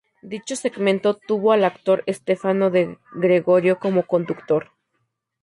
Dicho segmento tuvo al actor Stefano De Gregorio como conductor.